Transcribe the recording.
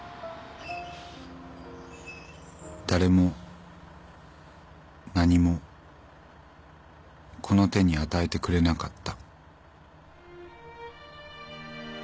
「誰も何もこの手に与えてくれなかった」